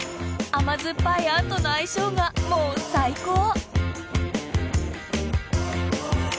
甘酸っぱい餡との相性がもう最高！